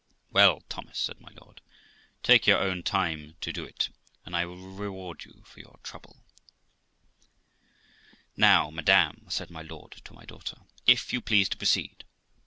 Well, Thomas ', said my lord, ' take your own time to do it, and I will reward you for your trouble.' 410 THE LIFE OF ROXANA ' Now, madam *, said my lord to my daughter, ' if you please to proceed.